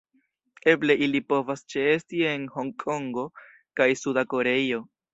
Eble ili povas ĉeesti en Hongkongo kaj Suda Koreio.